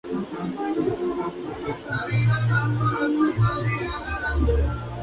Posteriormente se casó con Victor J. Loring, que fue un prestigioso abogado.